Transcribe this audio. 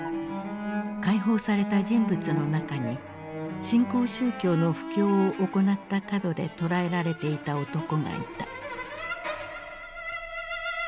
解放された人物の中に新興宗教の布教を行ったかどで捕らえられていた男がいた。